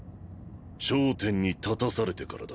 頂点に立たされてからだ。